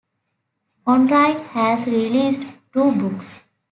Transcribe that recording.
Onrait has released two books.